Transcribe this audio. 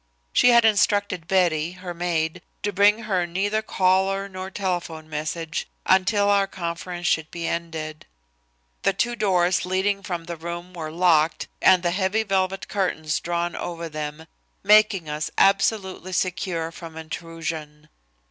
She had instructed Betty, her maid, to bring her neither caller nor telephone message, until our conference should be ended. The two doors leading from the room were locked and the heavy velvet curtains drawn over them, making us absolutely secure from intrusion.